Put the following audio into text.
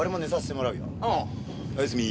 おやすみ。